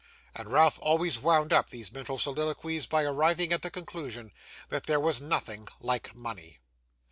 And Ralph always wound up these mental soliloquies by arriving at the conclusion, that there was nothing like money.